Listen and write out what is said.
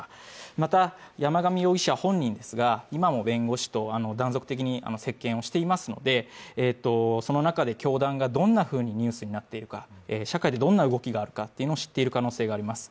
また山上容疑者本人ですが今も弁護士と断続的に接見をしていますので、その中で教団がどんなふうにニュースになっているか、社会でどんな動きがあるかというのを知っている可能性があります。